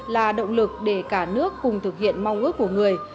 là động lực để cả nước cùng thực hiện mong ước của người